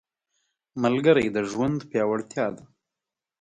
ملګری د ژوند پیاوړتیا ده